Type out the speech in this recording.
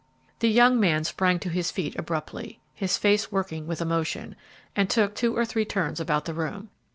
The young man sprang to his feet abruptly, his face working with emotion, and took two or three turns about the room.